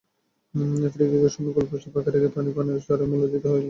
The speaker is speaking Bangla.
ফ্রি-কিকের সময় গোলপোস্ট ফাঁকা রেখে পানি পানের চড়া মূল্যই দিতে হলো সুইকে।